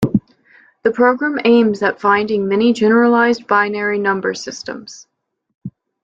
The program aims at finding many generalized binary number systems.